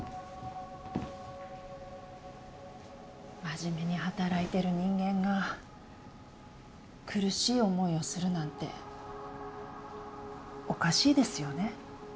真面目に働いてる人間が苦しい思いをするなんておかしいですよね？